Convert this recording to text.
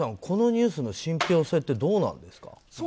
このニュースの信ぴょう性ってどうなんですか？